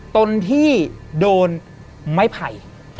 ตนที่โดนไม้ไผ่